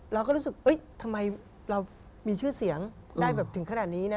เราก็รู้สึกทำไมเรามีชื่อเสียงได้แบบถึงขนาดนี้นะ